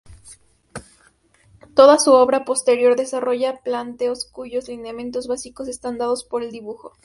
Toda su obra posterior desarrolla planteos cuyos lineamientos básicos están dados por el dibujo.